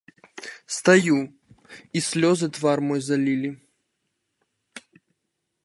Стаю, і слёзы твар мой залілі.